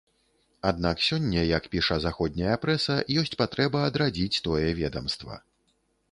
Аднак сёння, як піша заходняя прэса, ёсць патрэба адрадзіць тое ведамства.